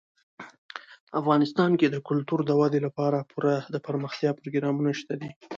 افغانستان کې د کلتور د ودې لپاره پوره دپرمختیا پروګرامونه شته دي.